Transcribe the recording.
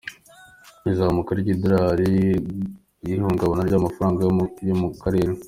Izamuka ry’idolari n’ihungabana ry’amafaranga yo mu Karere.